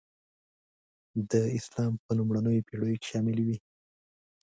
د اسلام په لومړنیو پېړیو کې شاملي وې.